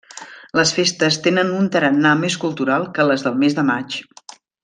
Les festes tenen un tarannà més cultural que les del mes de maig.